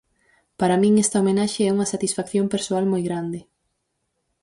Para min esta homenaxe é unha satisfacción persoal moi grande.